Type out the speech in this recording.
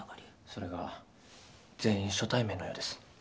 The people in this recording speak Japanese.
それが全員初対面のようです。